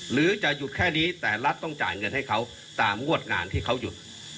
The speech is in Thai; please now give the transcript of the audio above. หรือจะหยุดแค่นี้แต่รัฐต้องจ่ายเงินให้เขาตามงวดงานที่เขาหยุด